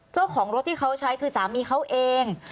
เจ้าของรถที่เขาใช้คือสามีเขาเอง